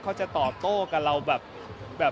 เขาจะตอบโต้กับเราแบบ